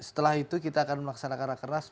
setelah itu kita akan melaksanakan rakernas